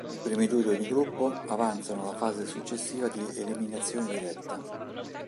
I primi due di ogni gruppo avanzano alla fase successiva di eliminazione diretta.